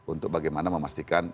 untuk bagaimana memastikan perlindungan